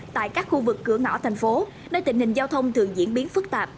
tại các khu vực cửa ngõ thành phố nơi tình hình giao thông thường diễn biến phức tạp